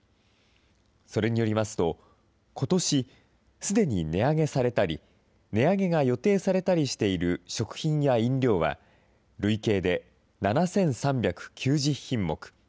それによりますと、ことし、すでに値上げされたり値上げが予定されたりしている食品や飲料は、累計で７３９０品目。